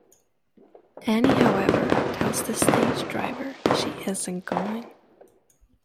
Annie, however, tells the stage driver she isn't going.